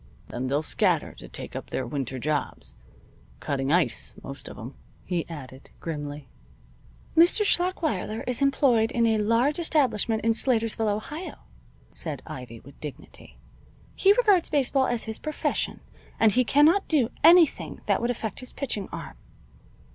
Then they'll scatter to take up their winter jobs cutting ice, most of 'em," he added, grimly. "Mr. Schlachweiler is employed in a large establishment in Slatersville, Ohio," said Ivy, with dignity. "He regards baseball as his profession, and he cannot do anything that would affect his pitching arm."